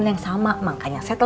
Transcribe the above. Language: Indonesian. nggak ada isi